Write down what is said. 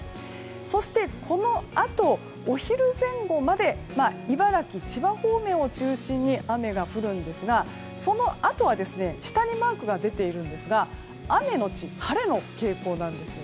そして、このあとお昼前後まで茨城、千葉方面を中心に雨が降るんですがそのあとは下にマークが出ているんですが雨のち晴れの傾向なんです。